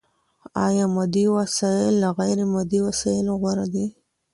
ايا مادي وسايل له غير مادي وسايلو غوره دي؟